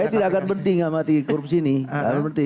saya tidak akan berhenti ngamati korupsi ini